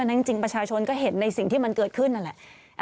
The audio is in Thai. นั้นจริงประชาชนก็เห็นในสิ่งที่มันเกิดขึ้นนั่นแหละ